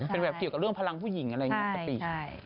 เป็นแบบเกี่ยวกับเรื่องพลังผู้หญิงอะไรอย่างนี้ปกติ